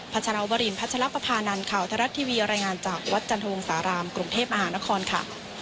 ภัชระวรินภัชระประพานันข่าวทรัศน์ทีวีรายงานจากวัดจันทรวงศาลามกรุงเทพอาห์นครค่ะ